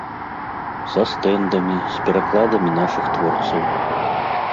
Са стэндамі, з перакладамі нашых творцаў.